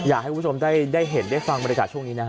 อยากให้คุณผู้ชมได้เห็นได้ฟังบรรยากาศช่วงนี้นะฮะ